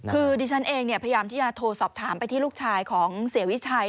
คือดิฉันเองพยายามที่จะโทรสอบถามไปที่ลูกชายของเสียวิชัย